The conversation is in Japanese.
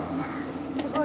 すごい。